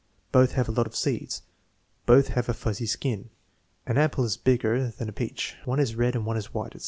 "Both have a lot of seeds." "Both have a fuzzy skin." "An apple is bigger than a peach." "One is red and one is white," etc.